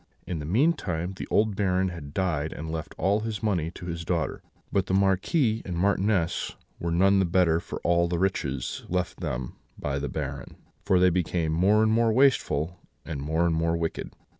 In the meantime the old Baron had died and left all his money to his daughter; but the Marquis and Marchioness were none the better for all the riches left them by the Baron, for they became more and more wasteful, and more and more wicked.